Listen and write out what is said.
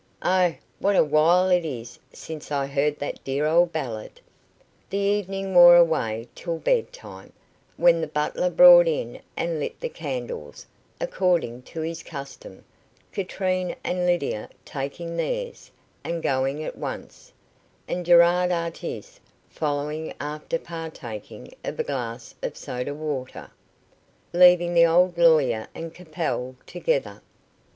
"Oh, what a while it is since I heard that dear old ballad." The evening wore away till bed time, when the butler brought in and lit the candles, according to his custom, Katrine and Lydia taking theirs, and going at once, and Gerard Artis following after partaking of a glass of soda water, leaving the old lawyer and Capel together.